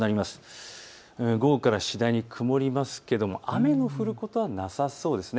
午後から次第に曇りますが、雨の降ることはなさそうです。